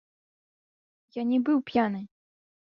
Я не быў п'яны.